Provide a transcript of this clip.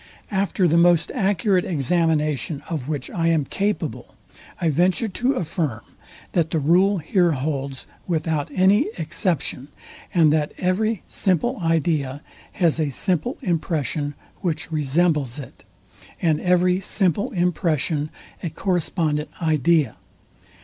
After the most accurate examination, of which I am capable, I venture to affirm, that the rule here holds without any exception, and that every simple idea has a simple impression, which resembles it, and every simple impression a correspondent idea.